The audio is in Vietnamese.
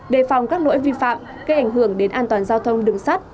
đề phòng các lỗi vi phạm gây ảnh hưởng đến an toàn giao thông đường sắt